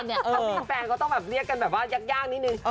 ต้องมีแฟนก็ต้องเรียกกันแบบว่ายากนิด